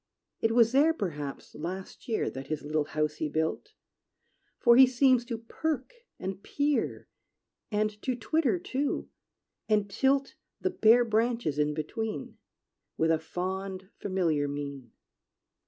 It was there, perhaps, last year, That his little house he built; For he seems to perk and peer, And to twitter, too, and tilt The bare branches in between, With a fond, familiar mien.